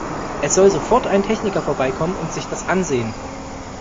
Es soll sofort ein Techniker vorbeikommen und sich das ansehen!